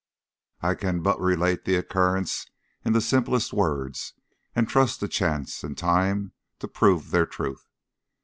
I can but relate the occurrence in the simplest words, and trust to chance and time to prove their truth.